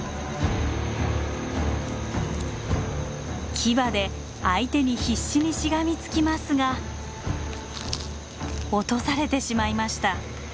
キバで相手に必死にしがみつきますが落とされてしまいました。